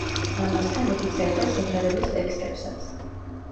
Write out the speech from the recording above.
ამასთან, იგი წერდა სიმღერების ტექსტებსაც.